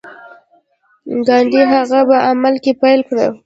ګاندي هغه په عمل کې پلي کړه.